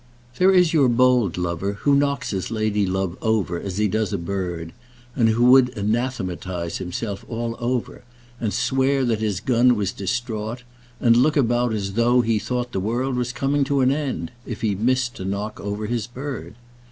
There is your bold lover, who knocks his lady love over as he does a bird, and who would anathematize himself all over, and swear that his gun was distraught, and look about as though he thought the world was coming to an end, if he missed to knock over his bird.